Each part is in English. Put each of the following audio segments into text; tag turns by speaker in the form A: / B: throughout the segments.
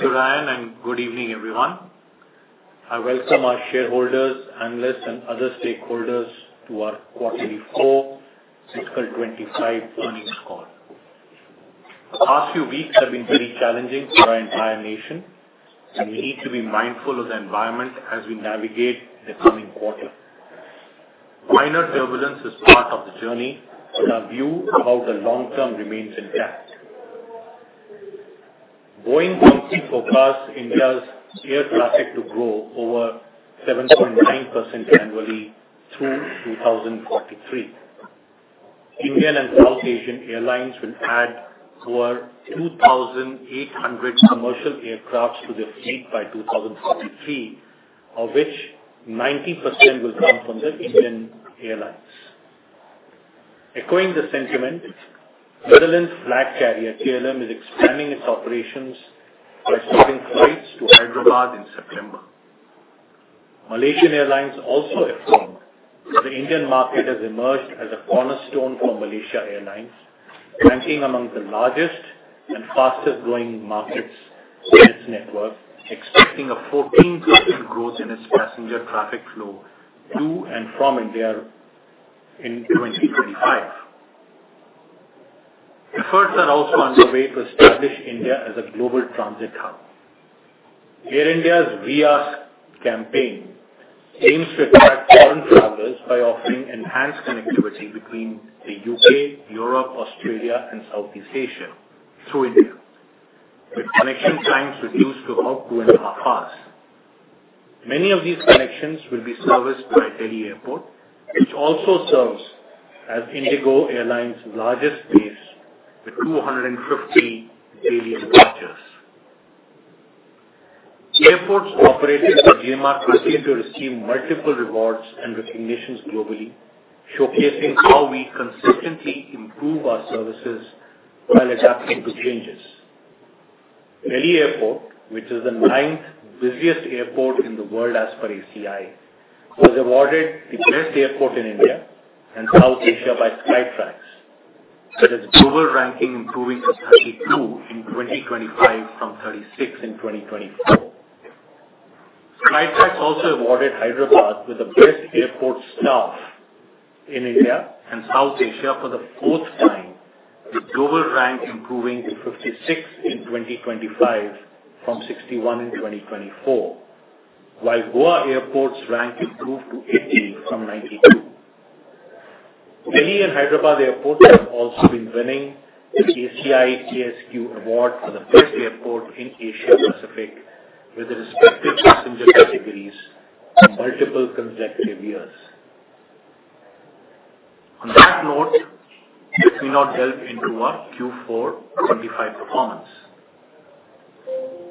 A: Thanks for that, and good evening, everyone. I welcome our shareholders, analysts, and other stakeholders to our Q4 Fiscal 25 Earnings Call. The past few weeks have been very challenging for our entire nation, and we need to be mindful of the environment as we navigate the coming quarter. Minor turbulence is part of the journey, but our view about the long term remains intact. Boeing continues to forecast India's air traffic to grow over 7.9% annually through 2043. Indian and South Asian Airlines will add over 2,800 commercial aircraft to their fleet by 2043, of which 90% will come from the Indian Airlines. Echoing the sentiment, Netherlands' flag carrier, KLM, is expanding its operations by starting flights to Hyderabad in September. Malaysia Airlines also affirmed that the Indian market has emerged as a cornerstone for Malaysia Airlines, ranking among the largest and fastest-growing markets in its network, expecting a 14% growth in its passenger traffic flow to and from India in 2025. Efforts are also underway to establish India as a global transit hub. Air India's VR campaign aims to attract foreign travelers by offering enhanced connectivity between the U.K., Europe, Australia, and Southeast Asia through India, with connection times reduced to up to an hour. Many of these connections will be serviced by Delhi Airport, which also serves as IndiGo Airlines' largest base with 250 Delhi departures. Airports operated by GMR continue to receive multiple rewards and recognitions globally, showcasing how we consistently improve our services while adapting to changes. Delhi Airport, which is the ninth busiest airport in the world as per ACI, was awarded the best airport in India and South Asia by Skytrax, with its global ranking improving to 32 in 2025 from 36 in 2024. Skytrax also awarded Hyderabad with the best airport staff in India and South Asia for the fourth time, with global rank improving to 56 in 2025 from 61 in 2024, while Goa Airport's rank improved to 80 from 92. Delhi and Hyderabad Airports have also been winning the ACI ASQ award for the best airport in Asia-Pacific with their respective passenger categories in multiple consecutive years. On that note, let me now delve into our Q4 2025 performance.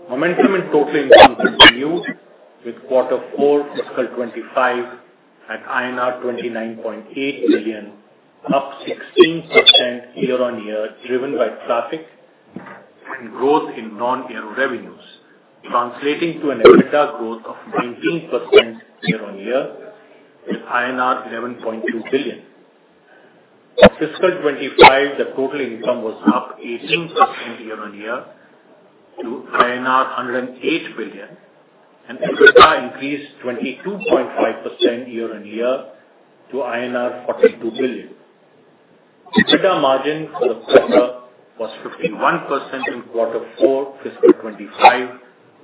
A: Momentum in total income continued with Q4, Fiscal 2025, at INR 29.8 billion, up 16% year-on-year, driven by traffic and growth in non-aero revenues, translating to an EBITDA growth of 19% year-on-year, with INR 11.2 billion. In Fiscal 2025, the total income was up 18% year-on-year to 108 billion, and EBITDA increased 22.5% year-on-year to INR 42 billion. EBITDA margin for the quarter was 51% in Q4, Fiscal 2025,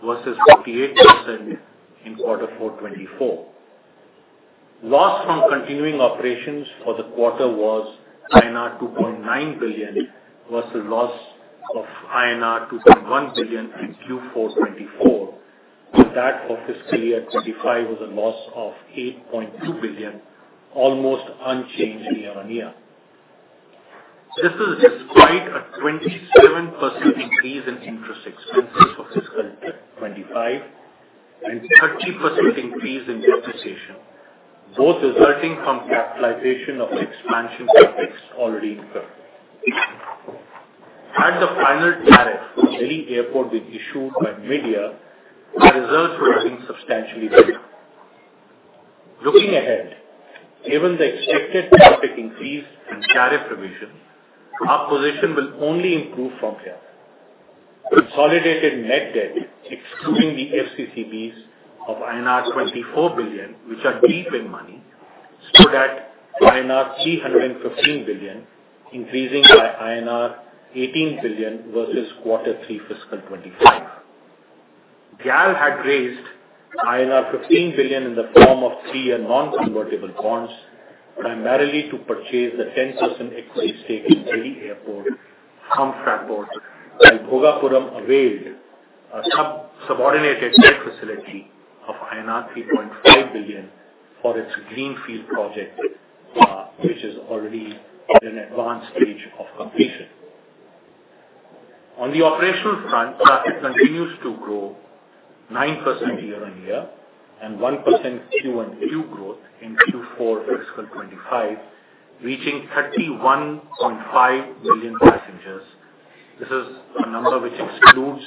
A: versus 48% in Q4, Fiscal 2024. Loss from continuing operations for the quarter was INR 2.9 billion, versus loss of INR 2.1 billion in Q4, Fiscal 2024, and that for fiscal year 2025 was a loss of 8.2 billion, almost unchanged year-on-year. This is despite a 27% increase in interest expenses for Fiscal 2025 and 30% increase in depreciation, both resulting from capitalization of expansion projects already incurred. At the final tariff Delhi Airport issued by AERA, the results were looking substantially better. Looking ahead, given the expected traffic increase and tariff revisions, our position will only improve from here. Consolidated net debt, excluding the FCCBs of INR 24 billion, which are deep in money, stood at INR 315 billion, increasing by INR 18 billion versus Q3, Fiscal 2025. GAL had raised INR 15 billion in the form of three-year non-convertible bonds, primarily to purchase the 10% equity stake in Delhi Airport from Fraport, while Bhogapuram availed a subordinated tech facility of INR 3.5 billion for its greenfield project, which is already in an advanced stage of completion. On the operational front, traffic continues to grow 9% year-on-year and 1% Q&Q growth in Q4, Fiscal 2025, reaching 31.5 million passengers. This is a number which excludes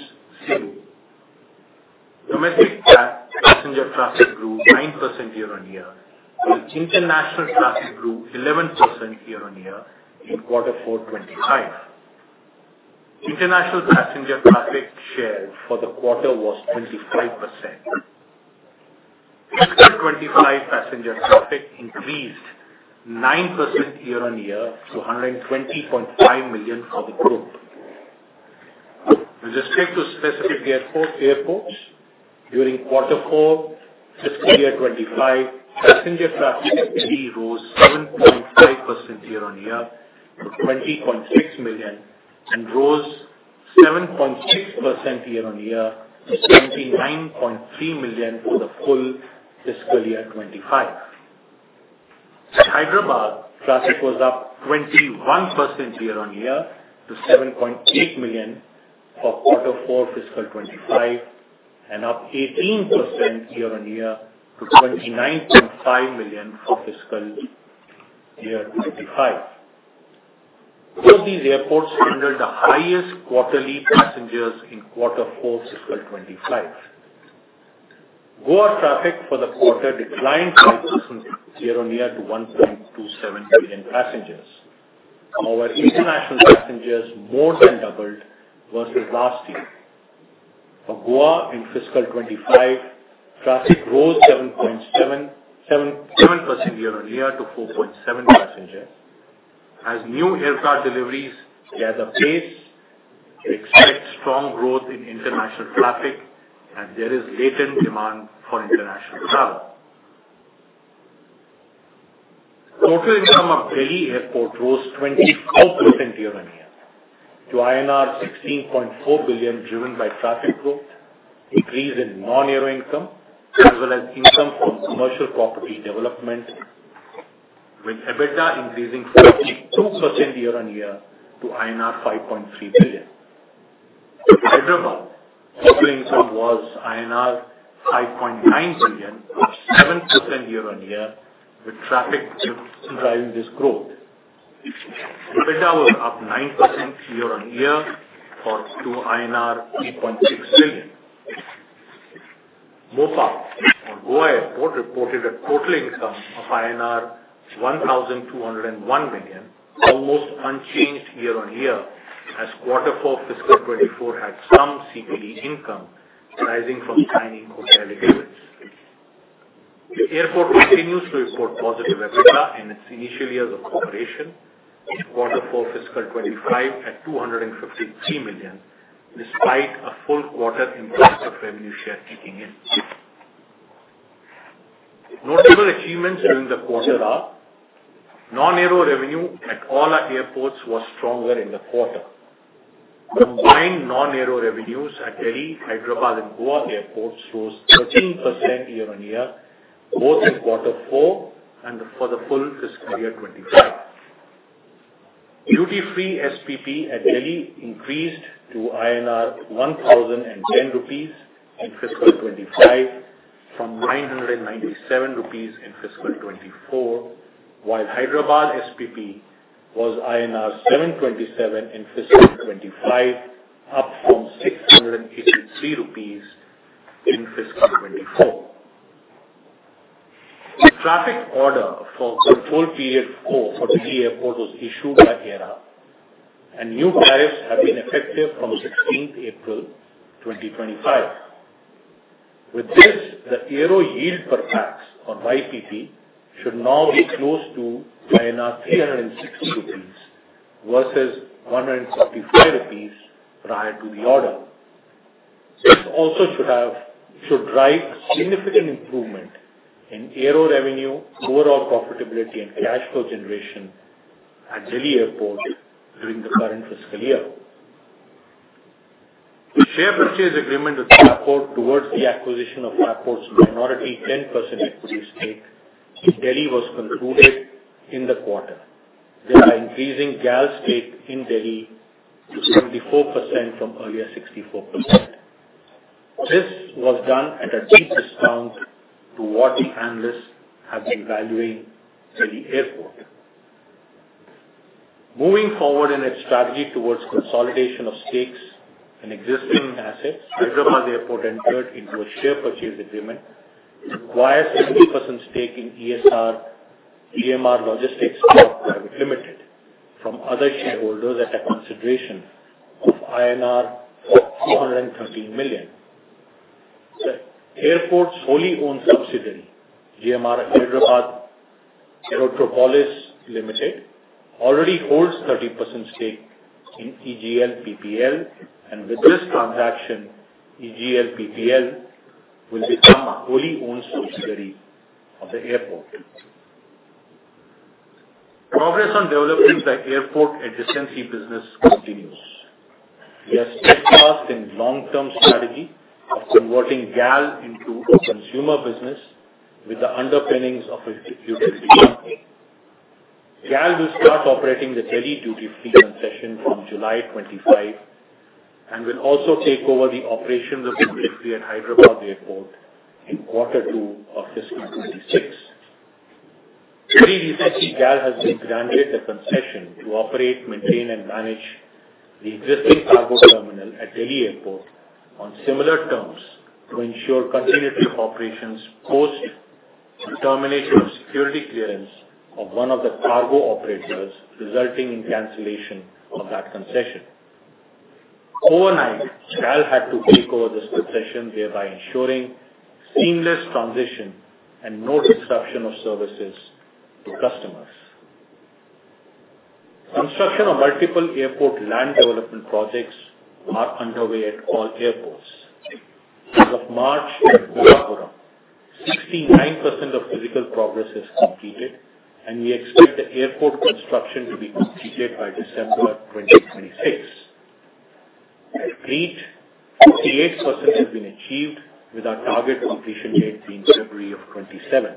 A: SIM. Domestic passenger traffic grew 9% year-on-year, while international traffic grew 11% year-on-year in Q4, Fiscal 25. International passenger traffic share for the quarter was 25%. Fiscal 25 passenger traffic increased 9% year-on-year to 120.5 million for the group. With respect to specific airports, during Q4, Fiscal 25, passenger traffic activity rose 7.5% year-on-year to 20.6 million and rose 7.6% year-on-year to 29.3 million for the full Fiscal 25. Hyderabad traffic was up 21% year-on-year to 7.8 million for Q4, Fiscal 25, and up 18% year-on-year to 29.5 million for Fiscal 25. Both these airports handled the highest quarterly passengers in Q4, Fiscal 25. Goa traffic for the quarter declined 5% year-on-year to 1.27 million passengers. However, international passengers more than doubled versus last year. For Goa in Fiscal 25, traffic rose 7.7% year-on-year to 4.7 million passengers. As new aircraft deliveries gather pace, we expect strong growth in international traffic, as there is latent demand for international travel. Total income of Delhi Airport rose 24% year-on-year to INR 16.4 billion, driven by traffic growth, increase in non-air income, as well as income from commercial property development, with EBITDA increasing 52% year-on-year to 5.3 billion. For Hyderabad, total income was 5.9 billion, up 7% year-on-year, with traffic driving this growth. EBITDA was up 9% year-on-year to INR 3.6 billion. Mopa, or Goa Airport, reported a total income of INR 1,201 million, almost unchanged year-on-year, as Q4, CY 2024 had some CPD income rising from signing hotel agreements. The airport continues to report positive EBITDA in its initial years of operation, in Q4, CY 2025, at 253 million, despite a full quarter impact of revenue share kicking in. Notable achievements during the quarter are non-air revenue at all airports was stronger in the quarter. Combined non-air revenues at Delhi, Hyderabad, and Goa Airports rose 13% year-on-year, both in Q4 and for the full FY 2025. Duty-free SPP at Delhi increased to 1,010 rupees in Fiscal 2025 from 997 in Fiscal 2024, while Hyderabad SPP was INR 727 in Fiscal 2025, up from 683 in Fiscal 2024. The traffic order for control period four for Delhi Airport was issued by GMR, and new tariffs have been effective from 16 April 2025. With this, the aero yield per pax on YPP should now be close to 360 rupees versus 145 prior to the order. This also should drive a significant improvement in aero revenue, overall profitability, and cash flow generation at Delhi Airport during the current fiscal year. The share purchase agreement with Fraport towards the acquisition of Fraport's minority 10% equity stake in Delhi was concluded in the quarter. They are increasing GAL stake in Delhi to 74% from earlier 64%. This was done at a deep discount to what analysts have been valuing Delhi Airport. Moving forward in its strategy towards consolidation of stakes in existing assets, Hyderabad Airport entered into a share purchase agreement to acquire 70% stake in ESR GMR Logistics Corp from other shareholders at a consideration of 213 million INR. The airport's wholly owned subsidiary, GMR Hyderabad Aerotropolis Ltd., already holds 30% stake in EGLPPL, and with this transaction, EGLPPL will become a wholly owned subsidiary of the airport. Progress on developing the airport efficiency business continues. We are steadfast in the long-term strategy of converting GAL into a consumer business with the underpinnings of a utility company. GAL will start operating the Delhi duty-free concession from July 25 and will also take over the operations of the duty-free at Hyderabad Airport in Q2 of Fiscal 2026. Very recently, GAL has been granted the concession to operate, maintain, and manage the existing cargo terminal at Delhi Airport on similar terms to ensure continuity of operations post the termination of security clearance of one of the cargo operators, resulting in cancellation of that concession. Overnight, GAL had to take over this concession, thereby ensuring seamless transition and no disruption of services to customers. Construction of multiple airport land development projects is underway at all airports. As of March in Bhogapuram, 69% of physical progress is completed, and we expect the airport construction to be completed by December 2026. At Crete, 58% has been achieved, with our target completion date being February 2027.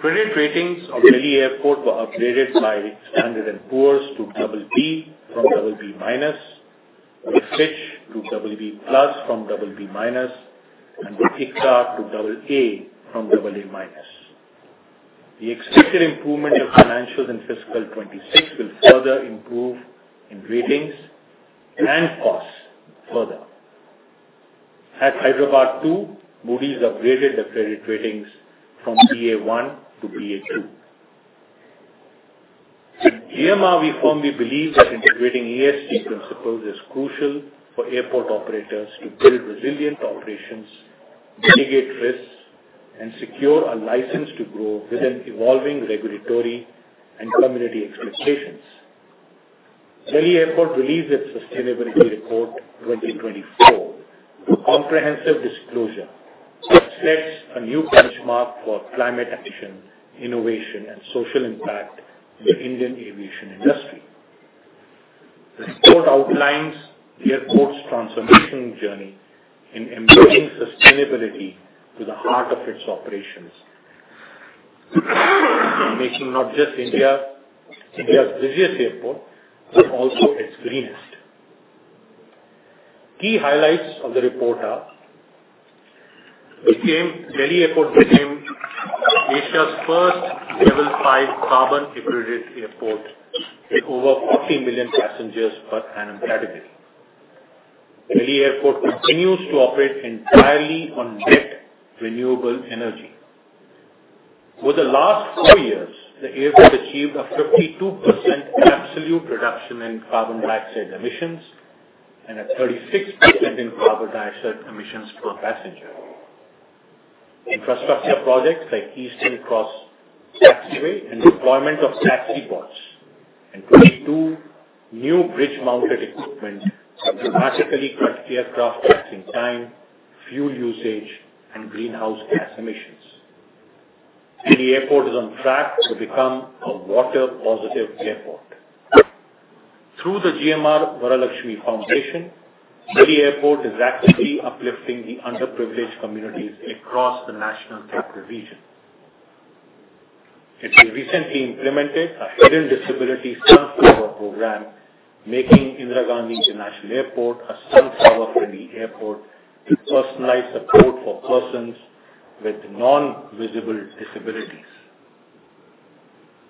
A: Credit ratings of Delhi Airport were upgraded by Standard & Poor's to BB from BB-, with Fitch to BB+ from BB-, and with ICRA to AA from AA-. The expected improvement of financials in FY 2026 will further improve in ratings and costs further. At Hyderabad too, Moody's upgraded the credit ratings from BA1 to BA2. At GMR, we firmly believe that integrating ESG principles is crucial for airport operators to build resilient operations, mitigate risks, and secure a license to grow within evolving regulatory and community expectations. Delhi Airport released its Sustainability Report 2024, a comprehensive disclosure that sets a new benchmark for climate action, innovation, and social impact in the Indian aviation industry. The report outlines the airport's transformation journey in embedding sustainability to the heart of its operations, making not just India's busiest airport, but also its greenest. Key highlights of the report are: Delhi Airport became Asia's first level 5 carbon hybrid airport with over 40 million passengers per annum category. Delhi Airport continues to operate entirely on net renewable energy. Over the last four years, the airport achieved a 52% absolute reduction in carbon dioxide emissions and a 36% in carbon dioxide emissions per passenger. Infrastructure projects like Eastern Cross Taxiway and deployment of taxi bots and 22 new bridge-mounted equipment have dramatically cut aircraft taxiing time, fuel usage, and greenhouse gas emissions. Delhi Airport is on track to become a water-positive airport. Through the GMR Varalakshmi Foundation, Delhi Airport is actively uplifting the underprivileged communities across the National Capital Region. It has recently implemented a hidden disability sunflower program, making Indira Gandhi International Airport a sunflower-friendly airport with personalized support for persons with non-visible disabilities.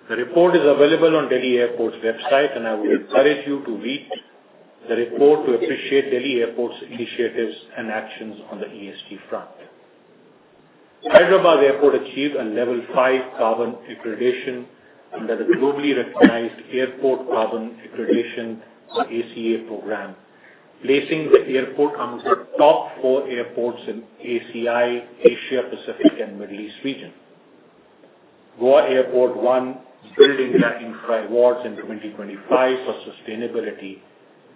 A: The report is available on Delhi Airport's website, and I would encourage you to read the report to appreciate Delhi Airport's initiatives and actions on the ESG front. Hyderabad Airport achieved a level 5 carbon accreditation under the globally recognized Airport Carbon Accreditation (ACA) program, placing the airport among the top four airports in ACI, Asia-Pacific, and Middle East region. Goa Airport won Build India Infra Awards in 2025 for sustainability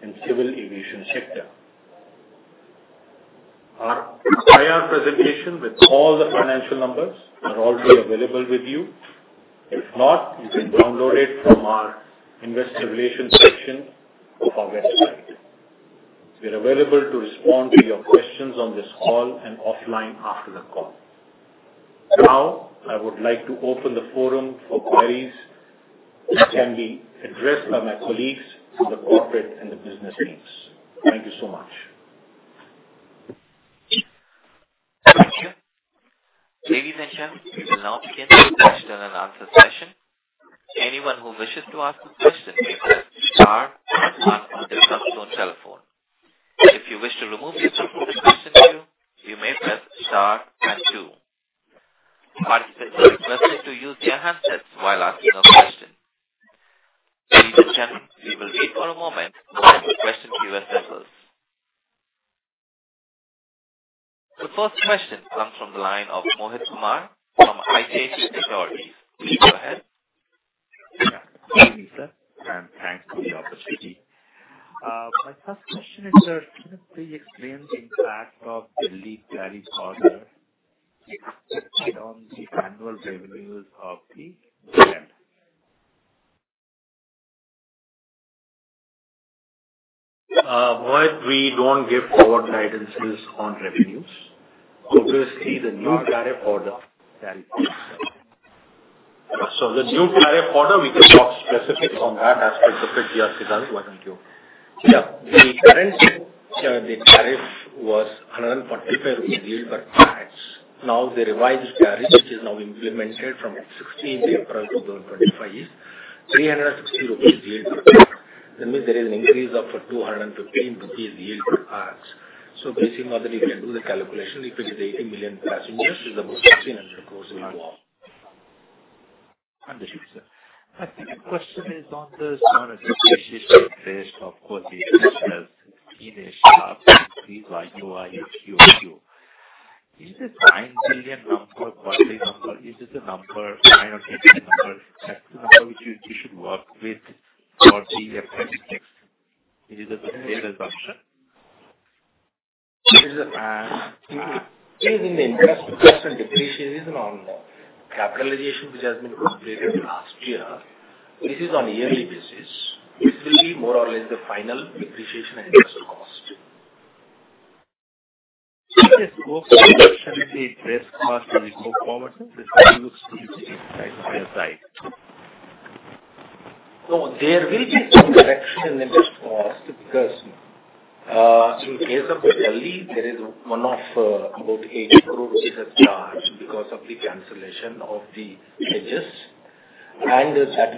A: in the civil aviation sector. Our IR presentation with all the financial numbers is already available with you. If not, you can download it from our Investor Relations section of our website. We are available to respond to your questions on this call and offline after the call. Now, I would like to open the forum for queries that can be addressed by my colleagues in the corporate and the business teams. Thank you so much. Thank you.
B: Ladies and gentlemen, we will now begin the question-and-answer session. Anyone who wishes to ask a question may press Star or One on their touchstone telephone. If you wish to remove yourself from the question queue, you may press Star and Two. Participants are requested to use their handsets while asking a question. Ladies and gentlemen, we will wait for a moment for the question queue assembles. The first question comes from the line of Mohit Kumar from ICICI Securities. Please go ahead.
C: Thank you, sir, and thanks for the opportunity. My first question is, could you please explain the impact of Delhi's tariff order on the annual revenues of the government?
A: Mohit, we don't give board guidances on revenues. Obviously, the new tariff order—the new tariff order, we can talk specifics on that aspect of it. Yes, we can. Yeah.
D: The current tariff was 145 rupees yield per pax. Now, the revised tariff, which is now implemented from 16 April 2025, is INR 360 yield per pax. That means there is an increase of 215 rupees yield per pax. Basically, now that you can do the calculation, if it is 80 million passengers, it's about 1,600 crores to off.
C: Understood, sir. My second question is on the sooner depreciation phase of all these nationals in Asia: Please Y-o-Y and Q-o-Q. Is this 9 billion number, one billion number? Is this a number, 9 or 10 billion number? That's the number which you should work with for the FX. Is it a fair assumption?
D: It is an investment depreciation. It is on capitalization, which has been calculated last year. This is on a yearly basis. This will be more or less the final depreciation and investment cost. If this goes to the best cost as we go forward, this looks to be the inside of the side. So there will be some correction in the investment cost because in case of Delhi, there is one of about 800,000,000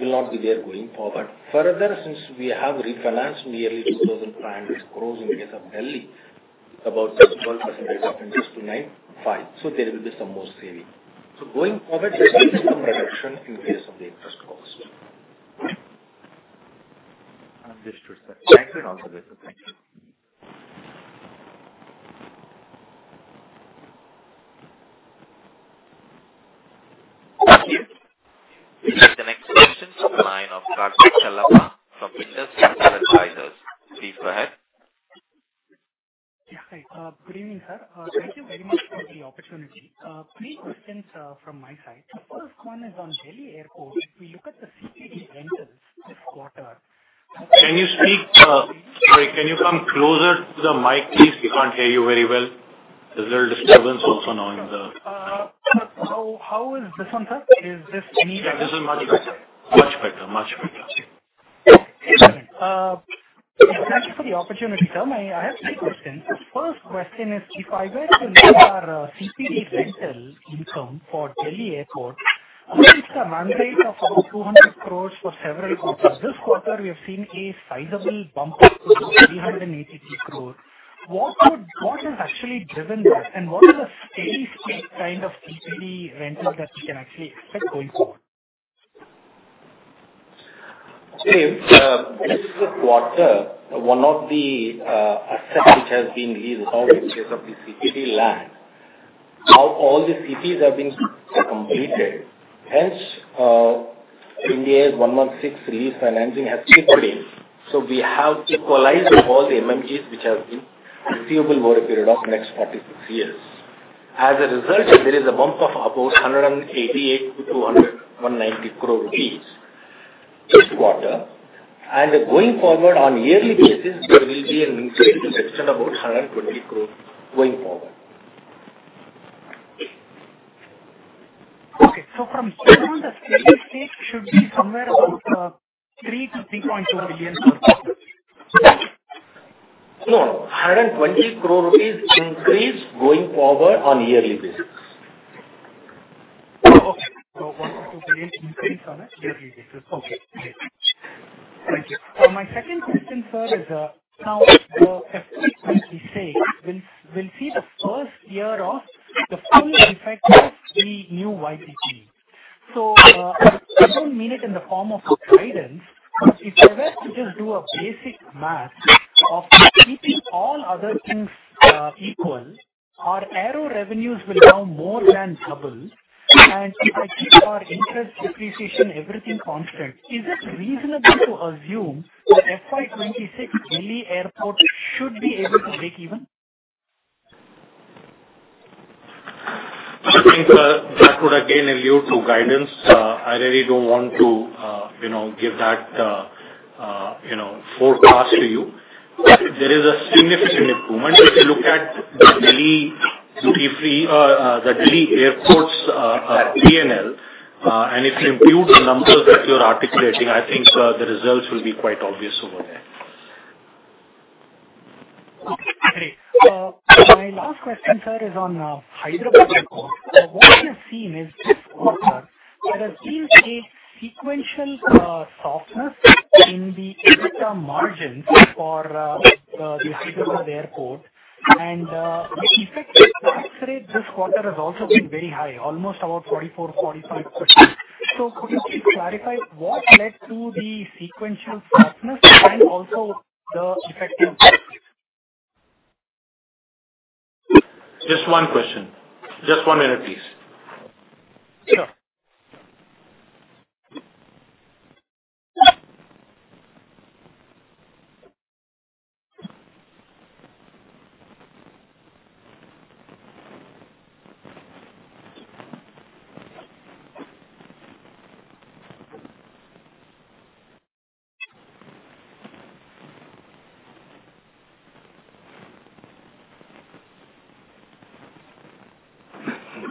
D: that's charged because of the cancellation of the hedges, and that will not be there going forward. Further, since we have refinanced nearly INR 2,500,000,000 in case of Delhi, about 12% reduction just to 950,000,000. So there will be some more saving. So going forward, there will be some reduction in case of the investment cost.
C: Understood, sir. Thank you and all the best.
D: Thank you.
B: Thank you. The next question is from the line of Karthik Chellappa from Industry Advisors. Please go ahead.
E: Yeah. Hi. Good evening, sir. Thank you very much for the opportunity. Three questions from my side. The first one is on Delhi Airport. If we look at the CPD rentals this quarter.
A: Can you speak? Sorry. Can you come closer to the mic, please? We can't hear you very well. There's a little disturbance also now in the
E: —How is this one, sir? Is this any—
A: Yeah, this is much better. Much better. Much better.
E: Excellent. Thank you for the opportunity, sir. I have three questions. The first question is, if I were to look at our CPD rental income for Delhi Airport, it's a run rate of about 200 crore for several quarters. This quarter, we have seen a sizable bump up to 383 crore. What has actually driven that, and what is the steady-state kind of CPD rental that we can actually expect going forward?
D: Okay. This quarter, one of the assets which has been released now in case of the CPD land, all the CPs have been completed. Hence, India's 116 release financing has quit running. We have to equalize all the MMGs which have been receivable over a period of the next 46 years. As a result, there is a bump of about 1.88 billion-1.9 billion rupees this quarter. Going forward, on a yearly basis, there will be an increase to the section of about 1.2 billion going forward.
E: Okay. From here on, the steady-state should be somewhere about 3 billion-3.2 billion per quarter. No, no.
D: 120 crore rupees increase going forward on a yearly basis.
E: Okay. INR 1 billion-INR 2 billion increase on a yearly basis. Okay. Great. Thank you. My second question, sir, is now the FY 2026 will see the first year of the full effect of the new YPP. I do not mean it in the form of guidance, but if I were to just do a basic math of keeping all other things equal, our aero revenues will now more than double, and if I keep our interest, depreciation, everything constant, is it reasonable to assume that FY 26 Delhi Airport should be able to break even?
A: I think that would again allude to guidance. I really do not want to give that forecast to you. There is a significant improvement. If you look at the Delhi Airport's P&L and if you impute the numbers that you are articulating, I think the results will be quite obvious over there.
E: Okay. Great. My last question, sir, is on Hyderabad Airport. What we have seen is this quarter, there has been a sequential softness in the EBIDTA margins for the Hyderabad Airport, and the effective tax rate this quarter has also been very high, almost about 44%-45%. Could you please clarify what led to the sequential softness and also the effective tax rate?
A: Just one question. Just one minute, please.
E: Sure.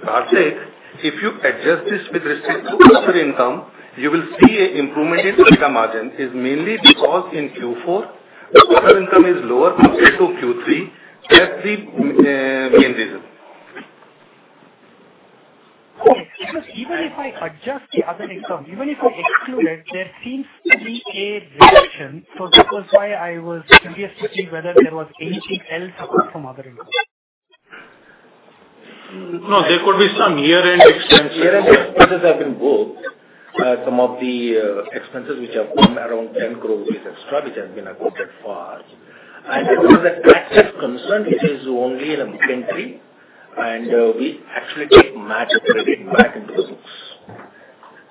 A: Karthik, if you adjust this with restricted grocery income, you will see an improvement in EBITDA margin. It is mainly because in Q4, the grocery income is lower compared to Q3. That is the main reason.
E: Okay. Even if I adjust the other income, even if I exclude it, there seems to be a reduction. That was why I was curious to see whether there was anything else apart from other income.
A: No, there could be some year-end expenses.
D: Year-end expenses have been booked. Some of the expenses which have come around 10 crore rupees extra, which have been accounted for. As far as the taxes are concerned, it is only in a book entry, and we actually take matched credit back into the books.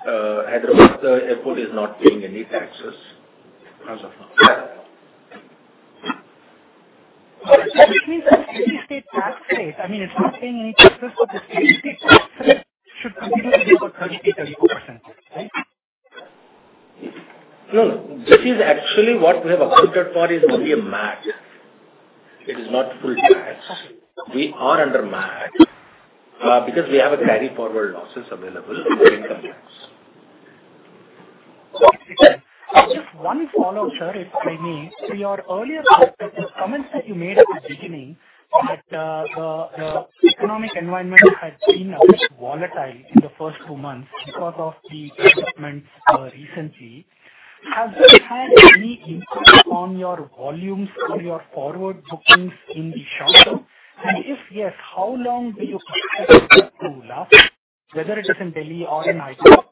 D: Hyderabad Airport is not paying any taxes as of now.
E: Okay. This means that the steady-state tax rate, I mean, it's not paying any taxes for the steady-state tax. It should continue to be about 33%-34%, right?
D: No, no. This is actually what we have accounted for, it is only a match. It is not full tax. We are under match because we have carry-forward losses available for income tax.
E: Just one follow-up, sir, if I may. Your earlier comments that you made at the beginning that the economic environment had been a bit volatile in the first two months because of the developments recently, has that had any impact on your volumes or your forward bookings in the short term? If yes, how long do you expect that to last, whether it is in Delhi or in Hyderabad?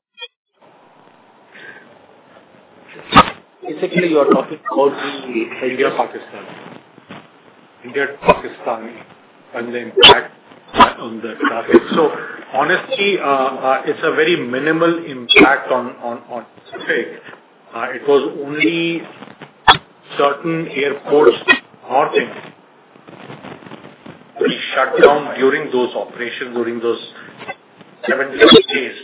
A: Basically, you're talking about the India-Pakistan, India-Pakistani, and the impact on the traffic. Honestly, it's a very minimal impact on traffic. It was only certain airports or things we shut down during those operations, during those 17 days.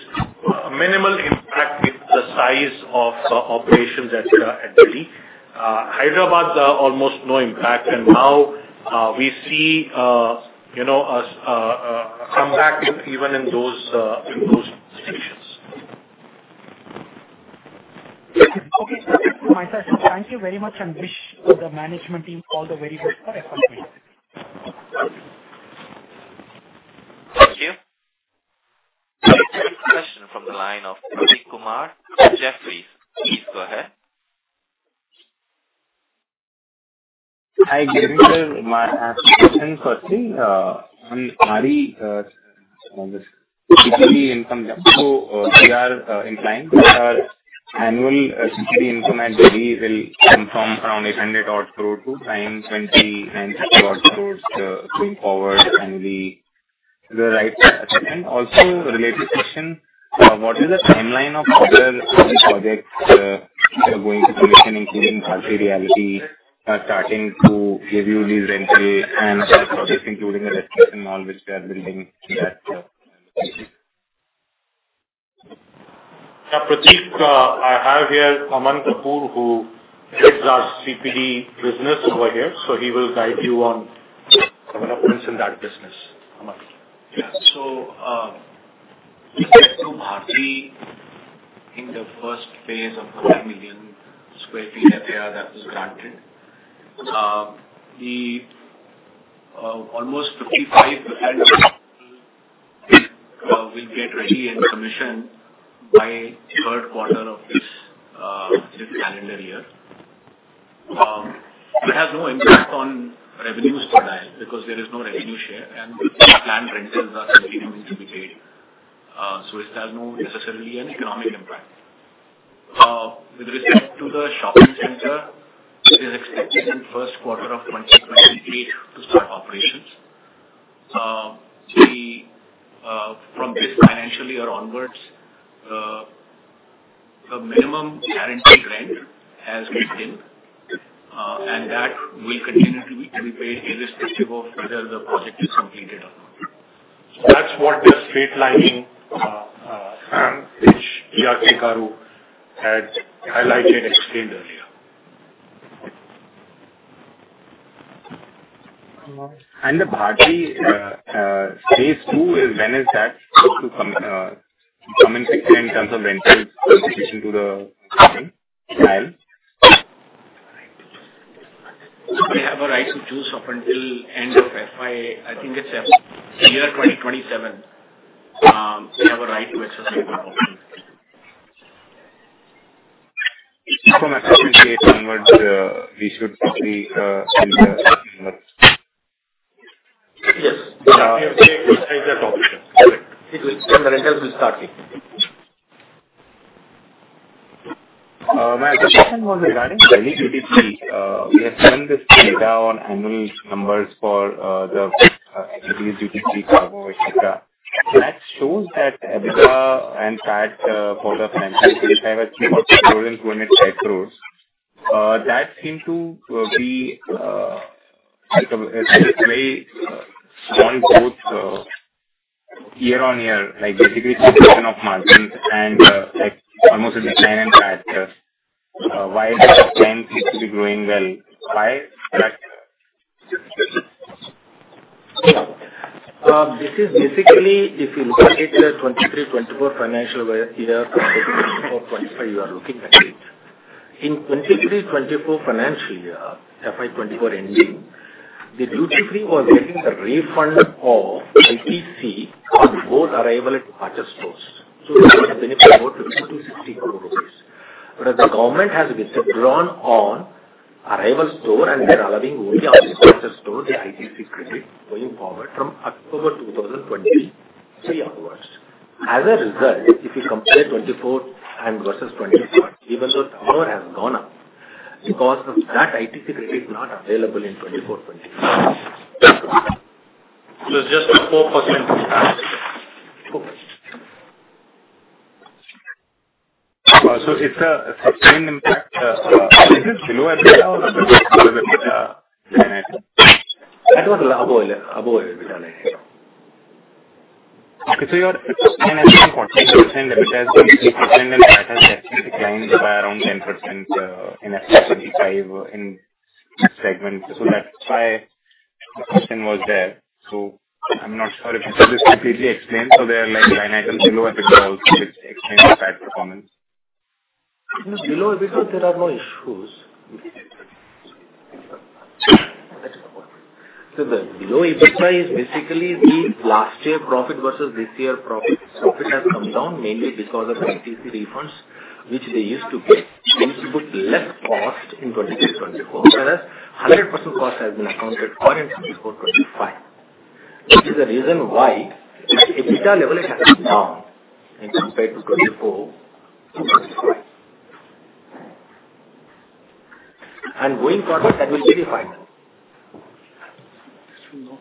A: Minimal impact in the size of operations at Delhi. Hyderabad, almost no impact. Now we see a comeback even in those stations.
E: Okay. My sir, thank you very much and wish the management team all the very best for FY2026.
A: Thank you.
B: Question from the line of Prateek Kumar. Jefferies, please go ahead.
F: Hi. Giving you my question firstly on CPD income jump. So we are inclined that annual CPD income at Delhi will come from around 8.00 billion to 9.90 billion going forward annually. The right assessment. Also, related question, what is the timeline of other projects going to commission, including multi-reality, starting to give you these rental and other projects, including the restriction mall which they are building in that location?
A: Yeah. Prateek, I have here Aman Kapoor, who heads our CPD business over here. So he will guide you on developments in that business. Aman.
G: So we get to Bharti in the first phase of the 10 million sq ft area that was granted. Almost 55% will get ready and commissioned by third quarter of this calendar year. It has no impact on revenue turnover because there is no revenue share, and planned rentals are simply going to be paid. It has no necessarily an economic impact. With respect to the shopping center, it is expected in the first quarter of 2028 to start operations. From this financial year onwards, the minimum guaranteed rent has kicked in, and that will continue to be paid irrespective of whether the project is completed or not. That is what the straightlining which GRK Garu had highlighted and explained earlier.
F: The Bharti Phase two, when is that to come in picture in terms of rentals in addition to the shopping mall?
A: Right. We have a right to choose up until end of financial year. I think it is year 2027. We have a right to exercise that option. From FY 2028 onwards, we should be in the—yes, FY 2028 is that option. Correct. The rentals will start kicking in.
F: My other question was regarding Delhi duty-free. We have seen this data on annual numbers for the Delhi duty-free, cargo, etc. That shows that EBITDA and PAT for the financials have a small exponent when it is head crores. That seemed to be a very strong growth year on year, like basically 2% of margins and almost a decline in PAT. Why does the trend seem to be growing well? Why that?
D: This is basically, if you look at the 2023-2024 financial year compared to 2024-2025, you are looking at it. In the 2023-2024 financial year, FY2024 ending, the duty-free was getting the refund of ITC on both arrival and departure stores. The benefit went up to 260 crore rupees. As the government has withdrawn on arrival store and they are allowing only out-of-dispatched stores, the ITC credit going forward from October 2023 onwards. As a result, if you compare 2024 and versus 2025, even though the power has gone up, because of that, ITC credit is not available in 2024-2025. It is just a 4% impact. 4%.
F: It is a sustained impact. Is it below EBITDA or below EBITDA?
D: That was above EBITDA.
F: Okay. Your sustained EBITDA quantity, sustained EBITDA has been 3% and lateral declined by around 10% in FY2025 in this segment. That is why the question was there. I am not sure if you could just completely explain. They are like line items below EBITDA also explaining the PAT performance.
D: Below EBITDA, there are no issues. The below EBITDA is basically the last year profit versus this year profit. Profit has come down mainly because of the ITC refunds, which they used to book less cost in 2023-2024, whereas 100% cost has been accounted for in 2024-2025. This is the reason why the EBITDA level has come down compared to 2024-2025. Going forward, that will be defined.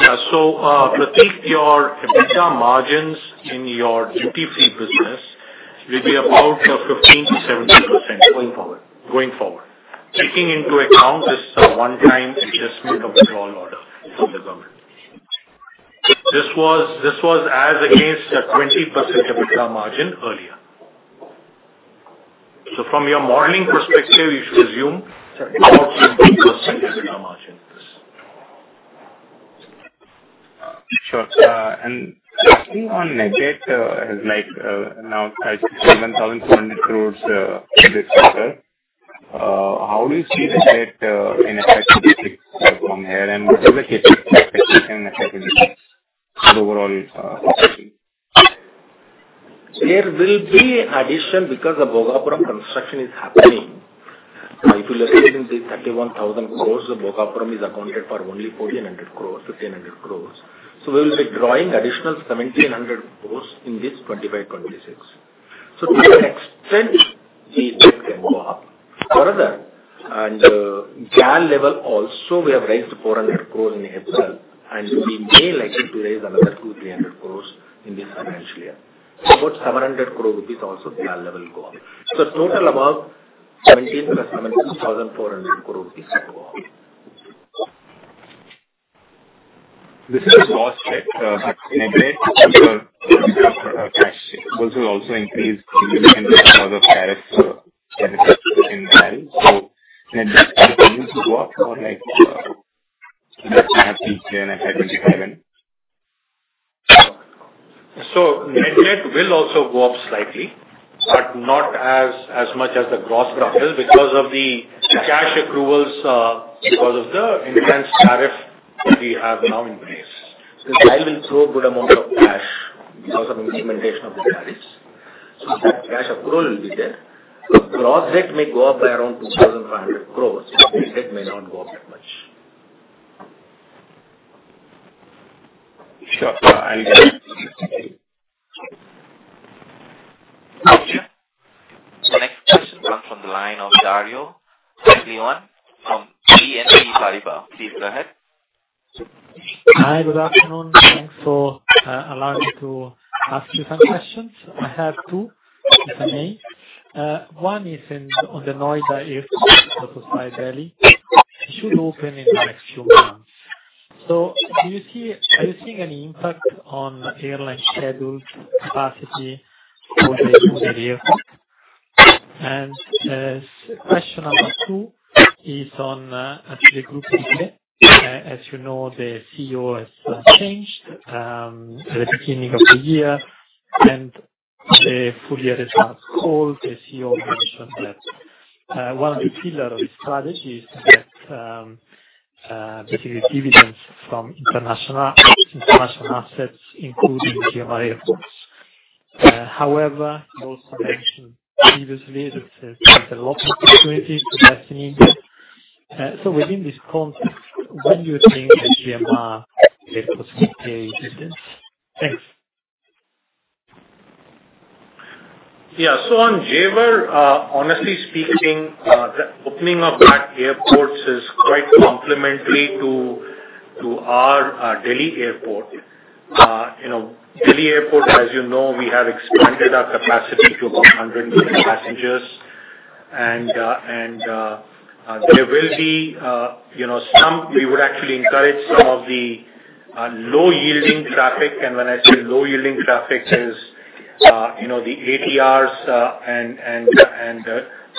A: Prateek, your EBITDA margins in your duty-free business will be about 15-17% going forward. Going forward, taking into account this one-time adjustment of the roll order from the government, this was as against the 20% EBITDA margin earlier. From your modeling perspective, you should assume about 17% EBITDA margin this.
F: Sure. Looking on Net Debt, it's like now it's INR 7,400 crore this year. How do you see Net Debt in effect from here? What is the cashing effect in effect in the overall position?
D: There will be addition because the Bhogapuram construction is happening. If you look at the 31,000 crores, the Bhogapuram is accounted for only 1,400 crores, 1,500 crores. We will be drawing additional 1,700 crores in this 2025-2026. To that extent, the EBIT can go up further. At GAL level also, we have raised 400 crores in Hebdal, and we may likely to raise another 200-300 crores in this financial year. About 700 crores rupees also at GAL level go up. Total about 1,700 plus 17,400 crores rupees can go up. This is a cost check. Net Debt will also increase significantly because of tariffs in Delhi. Net debt continues to go up for like the next half year and FY2025 and? Net debt will also go up slightly, but not as much as the gross growth will because of the cash accruals because of the intense tariff we have now in place. DIAL will throw a good amount of cash because of implementation of the tariffs. That cash accrual will be there. The gross debt may go up by around 2,500 crore, but net debt may not go up that much.
F: Sure. Thank you.
B: Next question comes from the line of Dario Maglione from BNP Paribas. Please go ahead.
H: Hi. Good afternoon. Thanks for allowing me to ask you some questions. I have two, if I may. One is on the noise that airports are closed outside Delhi. It should open in the next few months. Are you seeing any impact on airline schedules, capacity for the airport? Question number two is on actually Group ADP. As you know, the CEO has changed at the beginning of the year, and the full year is now called. The CEO mentioned that one of the pillars of his strategy is to get basically dividends from international assets, including GMR Airports. However, he also mentioned previously that there's a lot of opportunities to destiny. Within this context, when do you think that GMR Airports will pay dividends? Thanks.
A: Yeah. On Jewar, honestly speaking, the opening of that airport is quite complementary to our Delhi Airport. Delhi Airport, as you know, we have expanded our capacity to about 100 million passengers. There will be some we would actually encourage some of the low-yielding traffic. When I say low-yielding traffic, it is the ATRs and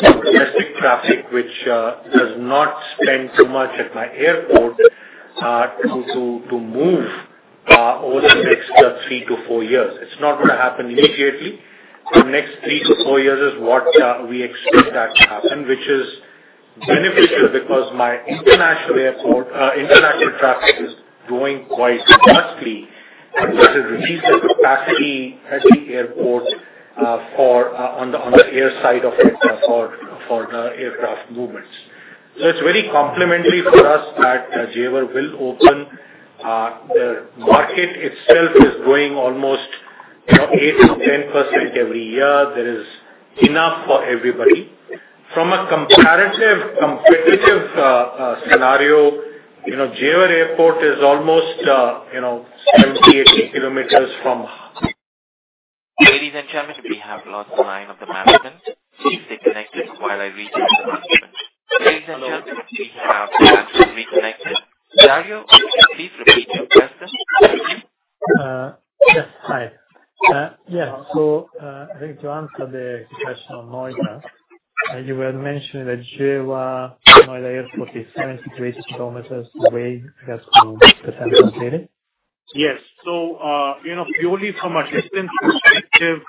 A: domestic traffic, which does not spend too much at my airport to move over the next three to four years. It's not going to happen immediately. The next three to four years is what we expect that to happen, which is beneficial because my international traffic is growing quite robustly. It will reduce the capacity at the airport on the air side of it for the aircraft movements. It is very complementary for us that Jewar will open. The market itself is growing almost 8%-10% every year. There is enough for everybody. From a comparative competitive scenario, Jewar Airport is almost 70-80 kms from.
B: Ladies and gentlemen, we have lost the line of the management. Please stay connected while I reconnect the management. Ladies and gentlemen, we have the management reconnected. Dario, please repeat your question. Thank you.
H: Yes. Hi. Yes. I think to answer the question on noise, you were mentioning that Jewar, noise airport is 70-80 kms away. I guess to the central city.
A: Yes. Purely from a distance perspective,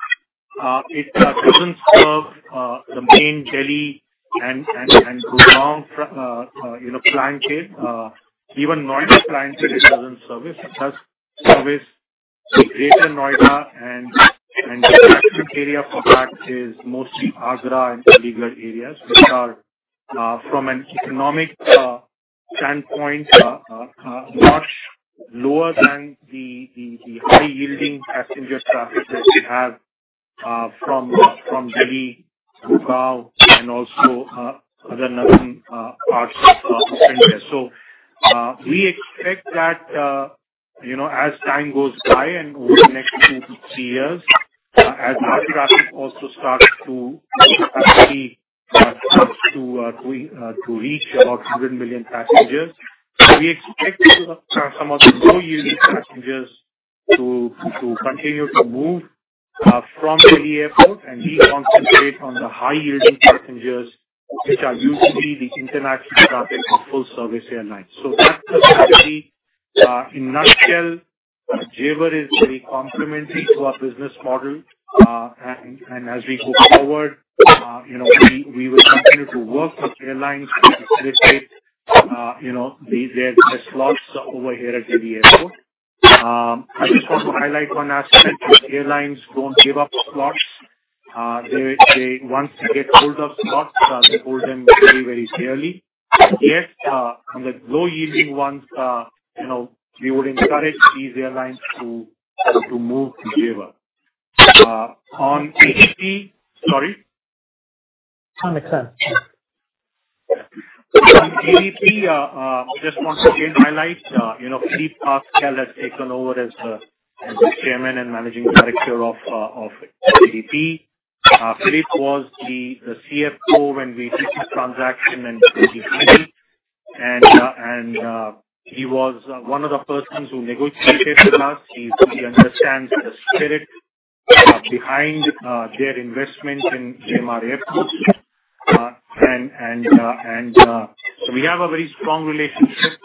A: it does not serve the main Delhi and Gurgeon clientele. Even Noida clientele, it does not service. It does service the greater Noida, and the distance area for that is mostly Agra and Aligarh areas, which are from an economic standpoint not lower than the high-yielding passenger traffic that we have from Delhi, Gurgeon, and also other northern parts of India. We expect that as time goes by and over the next two to three years, as our traffic also starts to reach about 100 million passengers, we expect some of the low-yielding passengers to continue to move from Delhi Airport and deconcentrate on the high-yielding passengers, which are usually the international traffic and full-service airlines. That is the strategy. In a nutshell, Jewar is very complementary to our business model. As we go forward, we will continue to work with airlines to facilitate their slots over here at Delhi Airport. I just want to highlight one aspect that airlines do not give up slots. Once they get hold of slots, they hold them very, very clearly. Yet, on the low-yielding ones, we would encourage these airlines to move to Jewar. On ADP—sorry. Oh, makes sense. On ADP, I just want to again highlight Philippe Pascal has taken over as the Chairman and Managing Director of ADP. Philippe was the CFO when we did the transaction and the handling, and he was one of the persons who negotiated with us. He understands the spirit behind their investment in GMR Airports. We have a very strong relationship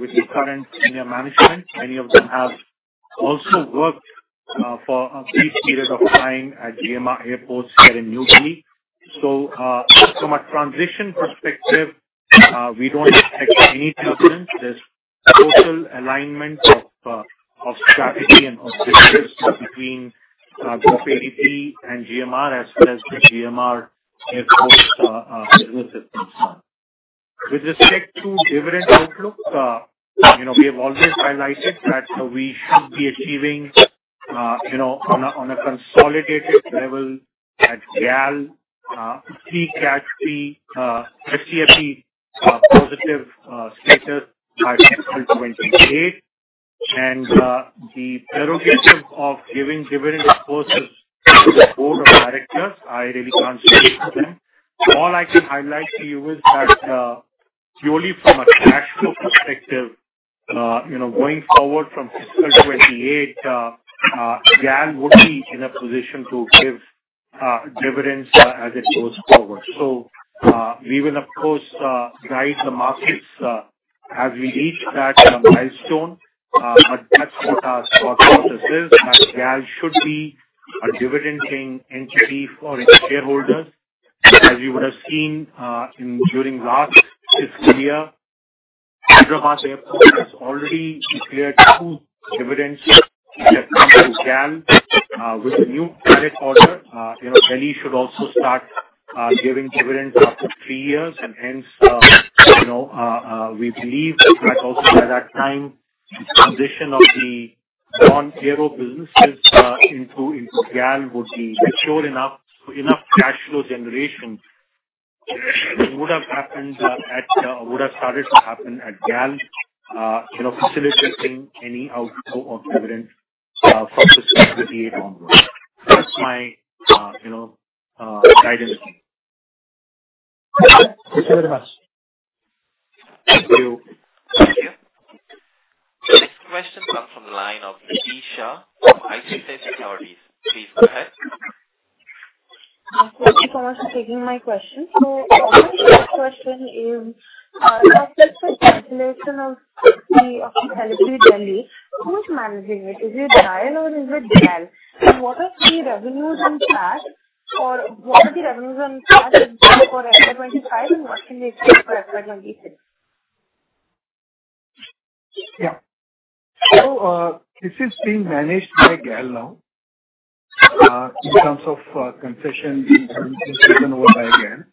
A: with the current senior management. Many of them have also worked for a brief period of time at GMR Airports here in New Delhi. From a transition perspective, we do not expect any turbulence. There is total alignment of strategy and of business between Groupe ADP and GMR, as well as the GMR Airports business at this time. With respect to dividend outlook, we have always highlighted that we should be achieving on a consolidated level at GAL, pre-cash, pre-FCFE positive status by FY 2028. The prerogative of giving dividend exposures is with the board of directors, I really cannot speak for them. All I can highlight to you is that purely from a cash flow perspective, going forward from FY 2028, GAL would be in a position to give dividends as it goes forward. We will, of course, guide the markets as we reach that milestone, but that is what our thought process is. GAL should be a dividend-paying entity for its shareholders, as we would have seen during last fiscal year. Hyderabad Airport has already declared two dividends that come to GAL with a new credit order. Delhi should also start giving dividends after three years, and hence, we believe that also by that time, the transition of the non-aero businesses into GAL would be mature enough. Enough cash flow generation would have happened and would have started to happen at GAL, facilitating any outflow of dividends from fiscal 2028 onward. That's my guidance.
H: Thank you very much.
A: Thank you.
B: Thank you. Next question comes from the line of Nidhi Shah from ICICI Securities. Please go ahead.
I: Thank you so much for taking my question. My first question is, of the speculation of the Celebi in Delhi, who is managing it? Is it DIAL or is it GAL? What are the revenues on that? Or what are the revenues on that for FY2025, and what can we expect for FY2026?
D: Yeah. This is being managed by GAL now in terms of concessions taken over by GAL.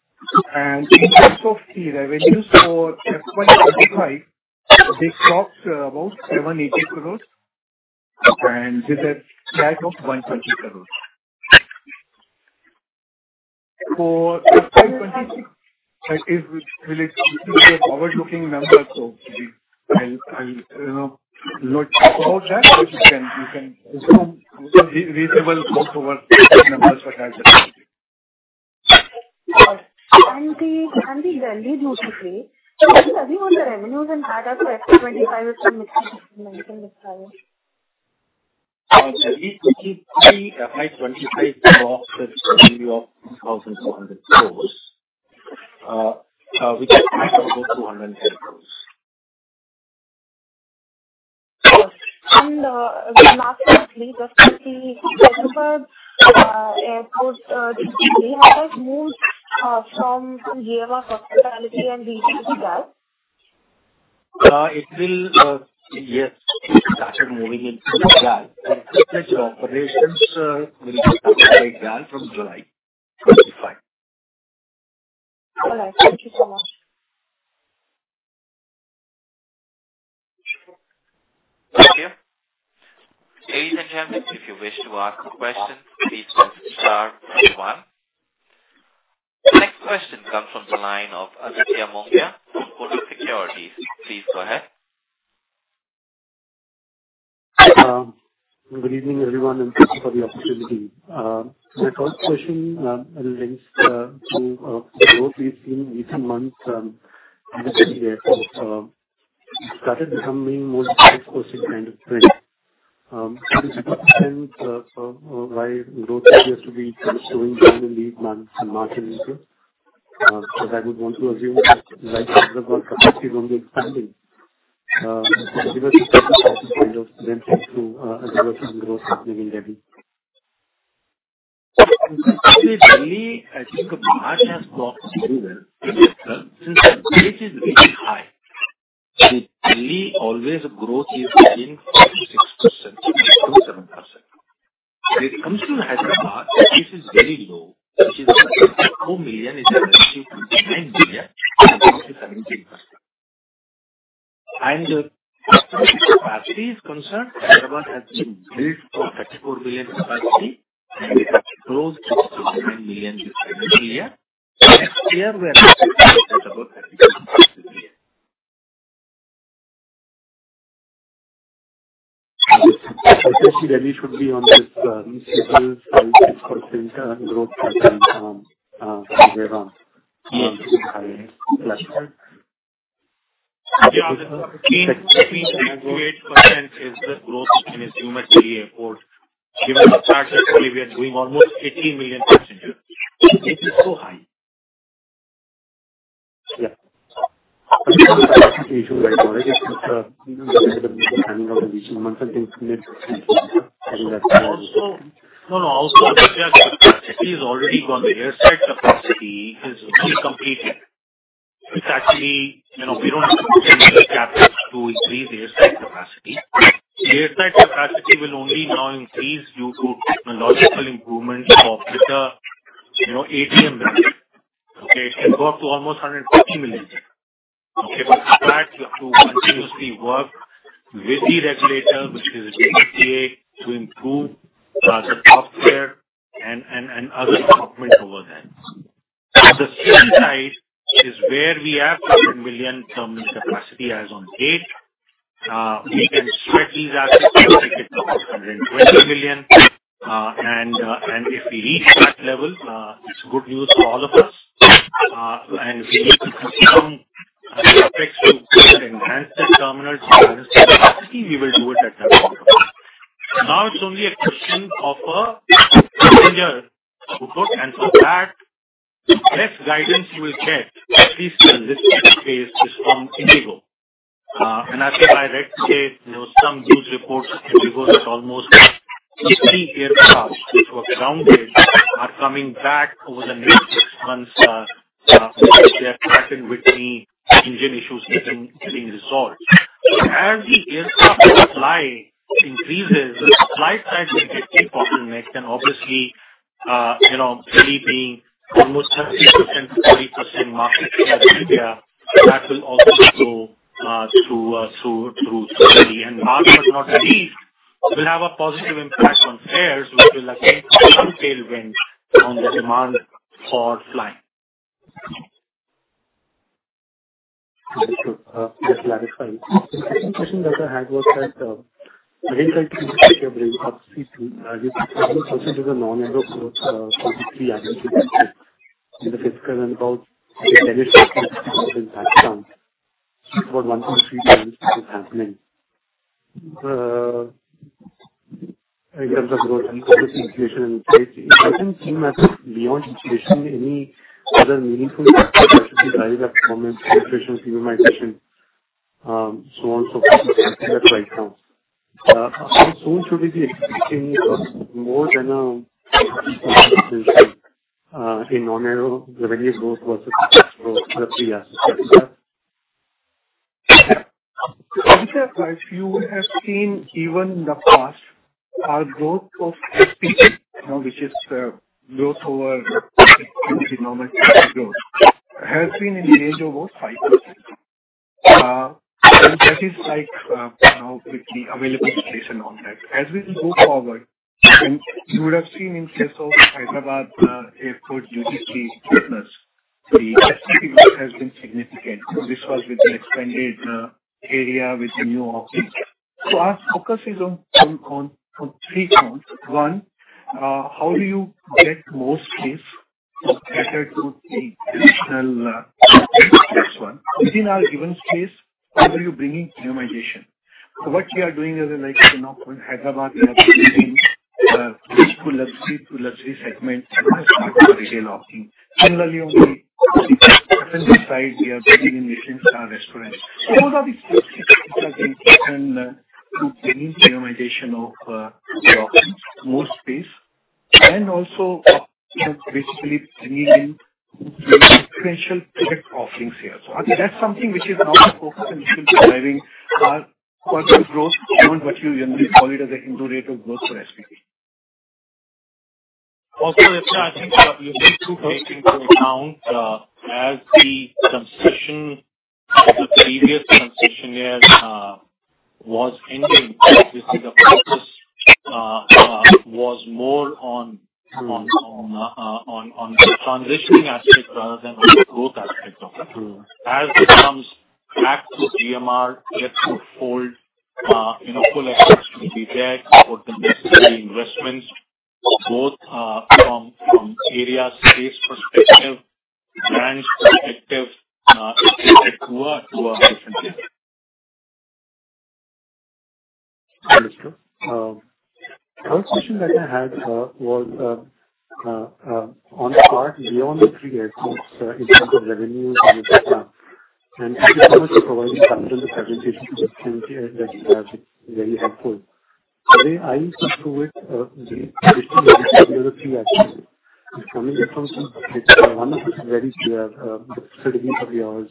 D: In terms of the revenues for FY2025, they cross about 780 crore and with a tag of 120 crore. For FY2026, that is relatively a forward-looking number, so I'll not talk about that, but you can reasonably go towards numbers that are just.
I: The Delhi duty-free, do you see any of the revenues in that as FY2025, as you mentioned before?
D: Delhi duty-free, FY2025, crosses the value of INR 2,200 crore, which is right above INR 210 crore.
I: The last question, please. Just to see Hyderabad Airport, they have moved from GMR Hospitality and reached GAL?
D: It will, yes, start moving into GAL. The operations will start with GAL from July 25.
I: All right. Thank you so much.
D: Thank you.
B: Ladies and gentlemen, if you wish to ask a question, please press star on the bottom. Next question comes from the line of Aditya Mongia from Kotak Securities. Please go ahead.
J: Good evening, everyone, and thank you for the opportunity. My first question links to growth we've seen in recent months in this airport. It started becoming more of an outsourcing kind of trend. To what extent why growth appears to be slowing down in these months and March and April? Because I would want to assume that the likelihood of our capacity is going to be expanding. Give us a sense of what is kind of the reason to a diversion growth happening in Delhi.
D: In particular, Delhi, I think March has blocked a little bit since the rate is very high. In Delhi, always the growth is within 5%-6%, 5%-7%. When it comes to Hyderabad, the rate is very low, which is 34 million is relative to 9 million, which is 17%. As far as capacity is concerned, Hyderabad has been built for 34 million capacity, and it has grown to 29 million this year. Next year, we are expecting to be at about 32% this year. I think Delhi should be on this residual 5%-6% growth continuing from Jewar to higher cluster. The 6%-8% is the growth we can assume at Delhi Airport. Given the fact that Delhi Airport is doing almost 80 million passengers, it is so high. Yeah. I think the capacity issue right now is just the reasonable planning of the recent months and things in the midstream. I think that's why I was asking.
A: No, no. I was going to say that the capacity is already gone. The airside capacity is incomplete. It's actually we don't have to put any new caps to increase airside capacity. The airside capacity will only now increase due to technological improvements for better ATM management. Okay? It can go up to almost 150 million. Okay? For that, you have to continuously work with the regulator, which is the DGCA, to improve the software and other development over there. On the city side is where we have 11 million terminal capacity as of date. We can spread these assets to make it to about 120 million. If we reach that level, it's good news for all of us. If we need to confirm aspects to enhance the terminal capacity, we will do it at that point of time. Now it is only a question of a passenger outlook, and for that, the best guidance we will get, at least in the listed space, is from IndiGo. I think I read today some news reports from Indigo that almost 50 aircraft, which were grounded, are coming back over the next six months as they are traveling with the engine issues getting resolved. As the aircraft supply increases, the supply side will get de-bottlenecked, and obviously, Delhi being almost 30%-40% market share of India, that will also flow through Delhi. Last but not least, it will have a positive impact on fares, which will again have some tailwind on the demand for flying.
J: Thank you for clarifying. The second question that I had was that I think you're very up to speed too. You mentioned there's a non-aero growth in the fiscal and about. And Delhi is working to improve in that count. It's about 1.3x what is happening. In terms of growth and public inflation and inflation, it doesn't seem as beyond inflation. Any other meaningful factors such as the driver performance, inflation, premiumization, so on and so forth, is something that's right now. How soon should we be expecting more than a 50% increase in non-aero revenue growth versus cash growth? What do you assess that to be?
K: I would say that if you have seen even in the past, our growth of SPP, which is growth over the normal growth, has been in the range of about 5%. And that is like now with the available space and all that. As we move forward, and you would have seen in case of Hyderabad Airport Duty Free partners, the SPP growth has been significant. This was with the expanded area with the new office. Our focus is on three fronts. One, how do you get more space to better suit the additional. That is one. Within our given space, how are you bringing premiumization? What we are doing is like in Hyderabad, we have been doing the luxury to luxury segment. Business part of retail offering. Similarly, on the business side, we are bringing in Michelin star restaurants. All of these things are going to turn to bringing premiumization of the offerings, more space, and also basically bringing in the differential product offerings here. I think that's something which is now the focus, and this will be driving our further growth beyond what you generally call it as a Hindu rate of growth for SPP.
A: Also, Aditya, I think you need to take into account as the transition, as the previous transition year was ending, obviously the focus was more on the transitioning aspect rather than on the growth aspect of it. As it comes back to GMR Airport fold, full efforts to be there to support the necessary investments, both from area space perspective, branch perspective, it will take two different years.
J: Understood. The last question that I had was on the part beyond the three airports in terms of revenues and everything else. Thank you so much for providing time during the presentation because I can see that you have been very helpful. Today, I think through it, the additional reason for the three airports is coming from one of the very clear strategies of yours,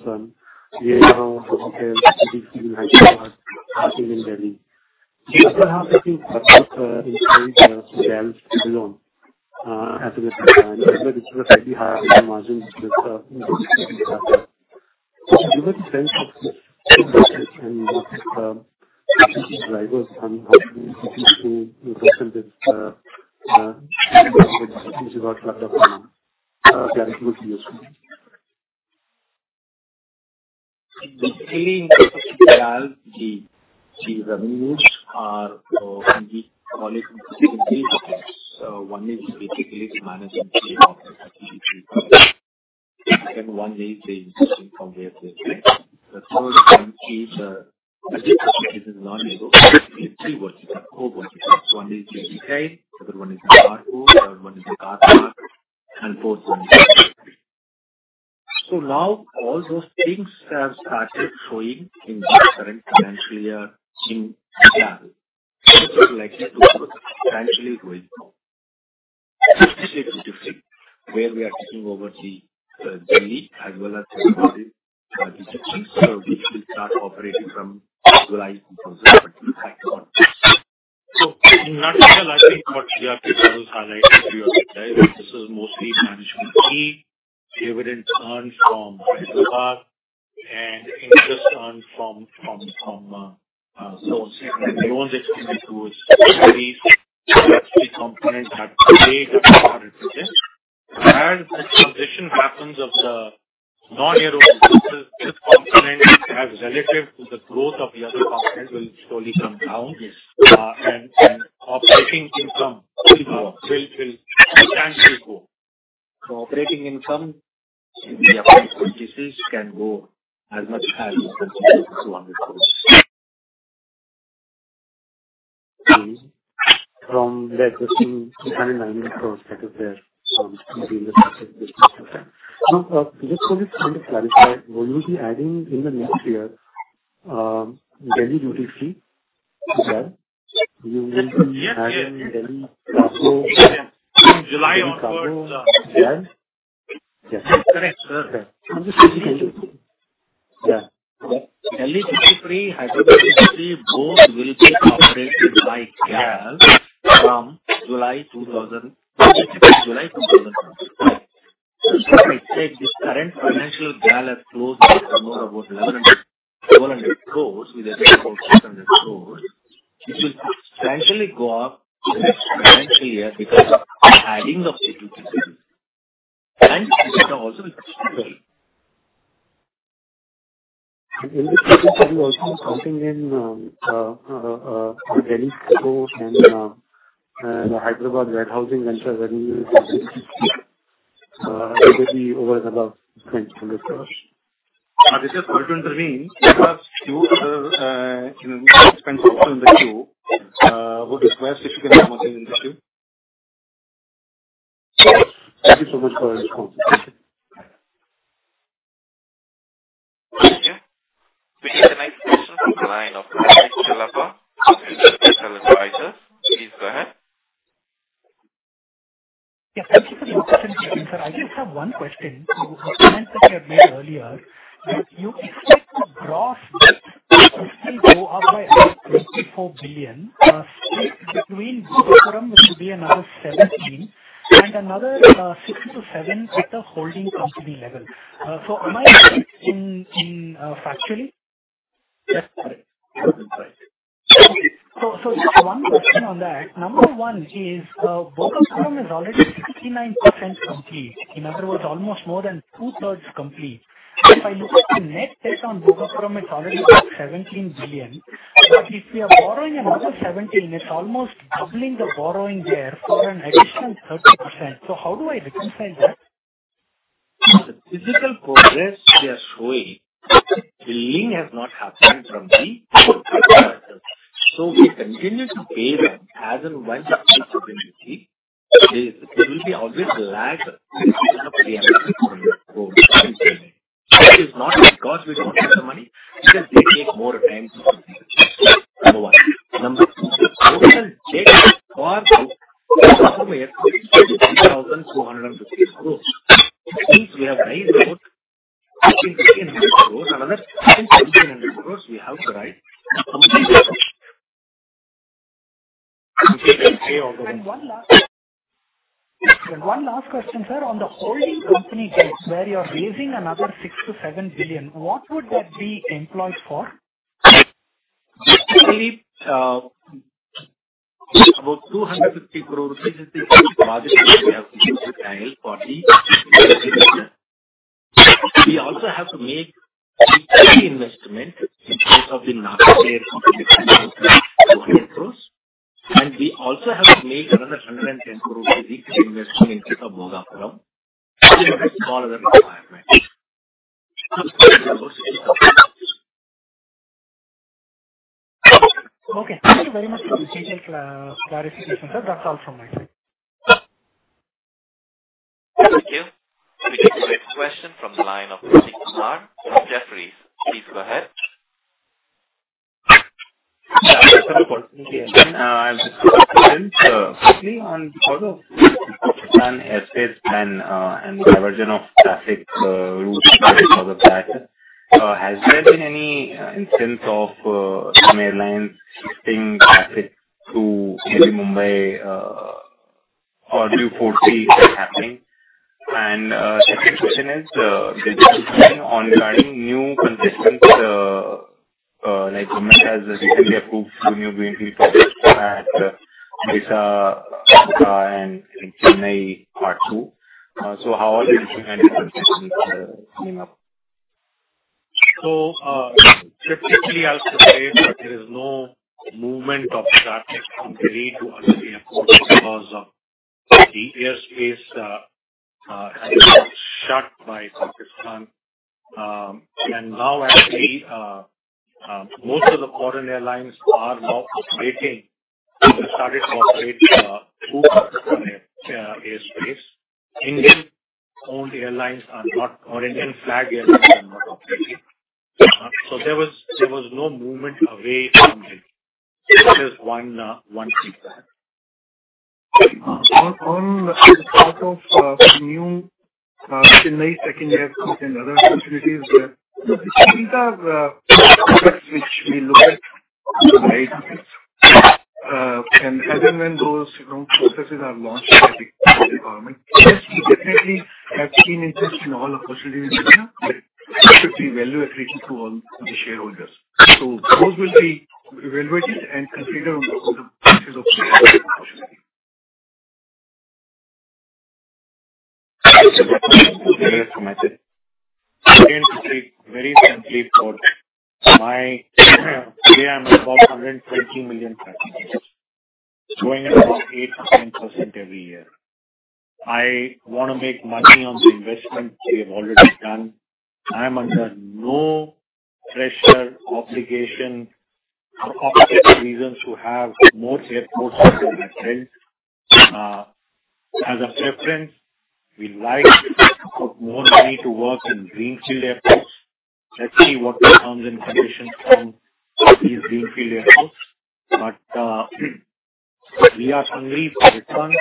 J: Jewar, hotels, duty free, and Hyderabad happening in Delhi. The other half, I think, employees are GALs alone as of the time, but this is a fairly high margin with the SPP partners. Do you have a sense of and what is the drivers on how to increase to represent this with regards to the upcoming GAL group years?
D: Basically, in terms of the GAL, the revenues are what we call it increases. One is basically the management fee of the SPP partners. The second one is the increasing from where they're from. The third one is the additional increase in non-aero to the three verticals, core verticals. One is the retail, the other one is the cargo, the other one is the car park, and fourth one is the SPG. All those things have started showing in the current financial year in GAL. It is likely to grow financially going forward. This is a little bit different where we are taking over the Delhi as well as Hyderabad duty-free, which will start operating from July 2025 onwards.
J: In a nutshell, I think what we have been always highlighting to you at the time is this is mostly management fee, dividends earned from Hyderabad, and interest earned from so on and so forth. Loans extended towards Delhi, the SPG component had paid up to 100%. As the transition happens of the non-aero businesses, this component has relative to the growth of the other component will slowly come down, and operating income will substantially go. Operating income in the upcoming 2026 can go as much as up to 100% from the existing INR 299 crore that is there in the industry business. Now, just to kind of clarify, will you be adding in the next year Delhi duty-free to GAL? You will be adding Delhi cargo to GAL?
D: Yes. Correct, sir. I'm just thinking of it. Yeah. Delhi duty-free, Hyderabad duty-free, both will be operated by GAL from July 2026, July 2026. If we take this current financial GAL as closed at more about INR 1,100 crore and INR 1,200 crore with a rate of 600 crore, it will substantially go up the next financial year because of the adding of the Duty Free. And this data also is substantial. In this case, it will also be counting in Delhi cargo and the Hyderabad warehousing ventures, Delhi duty-free, which will be over and above INR 200 crore.
A: Aditya, sorry to intervene. We have a few other expense also in the queue. I would request if you can come again in the queue.
J: Thank you so much for your response. Thank you.
B: Thank you. Please, the next question from the line of Karthik Chellappa, the Indus Advisors. Please go ahead.
E: Yes. Thank you for the intervention, sir. I just have one question. The comments that you had made earlier, you expect the gross going to go up by around INR 24 billion. Split between Bhogapuram, which will be another INR 17 billion, and another 6-7 billion at the holding company level. So am I right in factually?
D: That's correct. That's right.
E: Okay. Just one question on that. Number one is Bhogapuram is already 69% complete. In other words, almost more than two-thirds complete. If I look at the net debt on Bhogapuram, it's already about 17 billion. If we are borrowing another 17 billion, it's almost doubling the borrowing there for an additional 30%. How do I reconcile that?
D: The physical progress we are showing, the building has not happened from the construction. We continue to pay them as and when the fees are going to be. There will always be a lag in terms of preemption for the growth to continue. This is not because we don't have the money, because they take more time to complete the construction. Number one. Number two, the total debt for Bhogapuram Airport is INR 22.5 billion. Since we have raised about INR 15 billion, another INR 17 billion we have to raise to complete the construction. We can pay all the way back.
E: One last question, sir. On the holding company debt where you are raising another 6 billion-7 billion, what would that be employed for?
D: Basically, about 250 crore rupees is the budget that we have been given to GAL for the construction. We also have to make the reinvestment in terms of the non-aero construction costs of INR 200 crore. And we also have to make another 110 crore reinvestment in terms of Bhogapuram. That's all the requirements.
E: Okay. Thank you very much for the detailed clarification, sir. That's all from my side.
B: Thank you. We take the next question from the line of Prateek Kumar, Jefferies. Please go ahead.
F: Yeah. Just a question. I'll just ask a question. Quickly, because of the Pakistan airspace and the conversion of traffic routes because of that, has there been any instance of some airlines shifting traffic to maybe Mumbai or do you foresee happening? The second question is, did you see any ongoing new consistent like government has recently approved through new greenfield projects at Odisha, Kota and Chennai Part 2? How are you seeing any consistency coming up?
A: Typically, I'll say that there is no movement of traffic from Delhi to other airports because the airspace has been shut by Pakistan. Now, actually, most of the foreign airlines are now operating or started to operate through Pakistan airspace. Indian-owned airlines are not, or Indian-flag airlines are not operating. There was no movement away from Delhi. That is one thing for that. On the part of new Chennai second airport and other facilities, these are projects which we look at to raise funds. As and when those processes are launched by the government, yes, we definitely have seen interest in all opportunities in India. That should be valued according to all the shareholders. Those will be evaluated and considered on the basis of the opportunity. Thank you so much. Very excited. Again, to take very simply for my today, I am about 120 million customers going at about 8%-10% every year. I want to make money on the investment we have already done. I am under no pressure, obligation, or obligatory reasons to have more airports that have been built. As a preference, we like to put more money to work in greenfield airports. Let's see what the terms and conditions come for these greenfield airports. We are hungry for returns.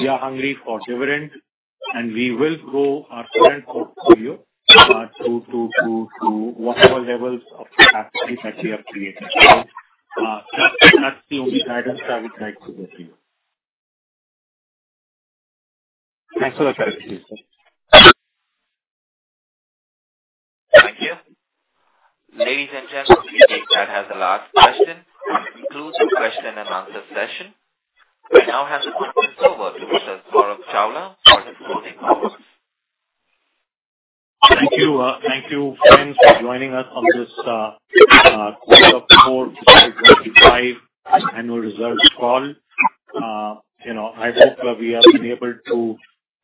A: We are hungry for dividends. We will grow our current portfolio to whatever levels of capacity that we have created. That is the only guidance I would like to give to you.
F: Thanks for the clarification, sir.
B: Thank you. Ladies and gentlemen, we take that as the last question. This concludes the question and answer session. I now hand the questions over to Mr. Saurabh Chawla for his closing comments.
A: Thank you. Thank you, friends, for joining us on this Q4 FY 2025 Annual Results Call. I hope we have been able to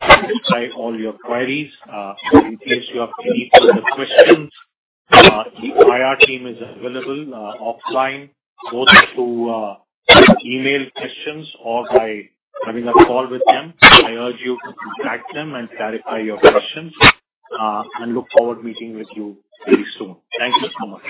A: satisfy all your queries. In case you have any further questions, the IR team is available offline, both through email questions or by having a call with them. I urge you to contact them and clarify your questions. I look forward to meeting with you very soon. Thank you so much.